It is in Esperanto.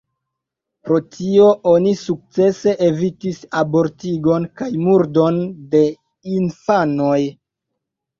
Pro tio oni sukcese evitis abortigon kaj murdon de infanoj.